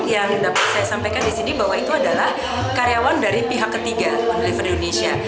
yang dapat saya sampaikan di sini bahwa itu adalah karyawan dari pihak ketiga oneliver indonesia